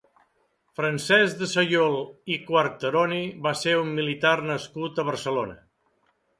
Francesc de Sayol i Quarteroni va ser un militar nascut a Barcelona.